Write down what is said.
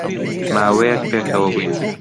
ماوەیەک پێکەوە بووین